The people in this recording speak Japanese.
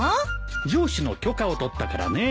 上司の許可を取ったからね。